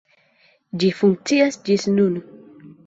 Ĝi funkcias ĝis nun.